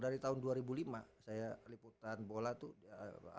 dari tahun dua ribu lima saya liputan bola itu